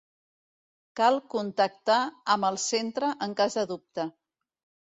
Cal contactar amb el centre en cas de dubte.